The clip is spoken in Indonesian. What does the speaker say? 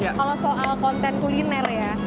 kalau soal konten kuliner ya